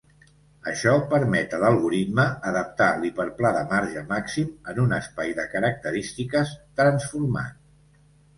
Això permet a l'algoritme adaptar l'hiperplà de marge màxim en un espai de característiques transformat.